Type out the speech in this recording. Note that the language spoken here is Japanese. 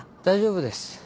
大丈夫です。